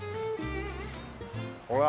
ほら。